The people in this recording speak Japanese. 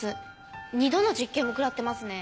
２度の実刑もくらってますね。